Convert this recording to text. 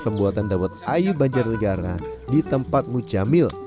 pembuatan dawat ayu banjarnegara di tempat mujamil